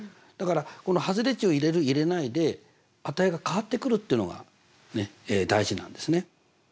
だからこの外れ値を入れる入れないで値が変わってくるっていうのがね大事なんですね。